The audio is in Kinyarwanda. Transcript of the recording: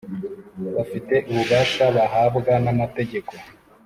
bafite ububasha bahabwa n ‘amategeko